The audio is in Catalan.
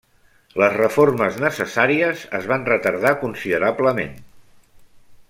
Les reformes necessàries es van retardar considerablement.